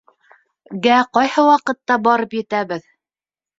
... -гә ҡайһы ваҡытта барып етәбеҙ